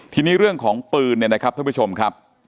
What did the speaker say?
ทีนี้เรื่องของปืนเนี่ยนะครับท่านผู้ชมครับ